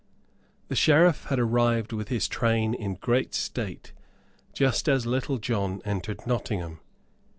The Sheriff had arrived with his train in great state, just as Little John entered Nottingham.